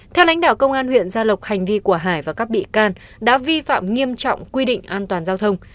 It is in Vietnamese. theo lãnh đạo công an huyện gia lộc hành vi của hải và các bị can đã vi phạm nghiêm trọng quy định an toàn giao thông